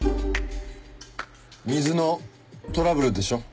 水のトラブルでしょ。